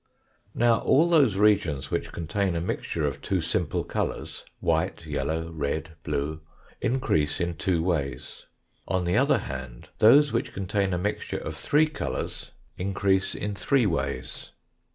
Now all those regions which contain a mixture of two simple colours, white, yellow, red, blue, increase in two ways. On the other hand, those which contain a mixture of three colours increase in three ways.